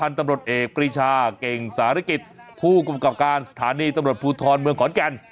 พันธุ์ตำรวจเอกรีชาเก่งศาลิกฤทธิ์ผู้กลุ่มกรรมการสถานีตำรวจภูทธรเมืองขอนแก่น